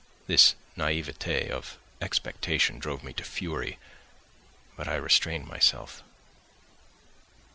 This naïveté of expectation drove me to fury, but I restrained myself.